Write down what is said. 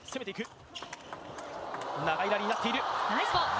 長いラリーになっている。